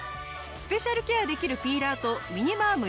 スペシャルケアできるピーラーとミニバーム